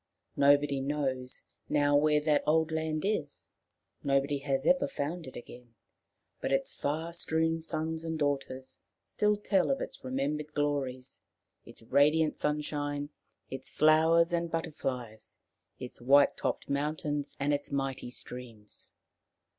Nobody knows now where that old land is, nobody has ever found it again, but its far strewn sons and daughters still tell of its remembered glories, its radiant sunshine, its flowers and butterflies, its white topped mountains and its mighty streams.